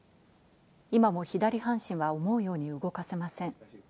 今も左半身は思うように動かせません。